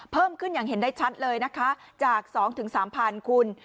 เพิ่มขึ้นอย่างเห็นได้ชัดเลยนะคะจากสองถึงสามพันคุณ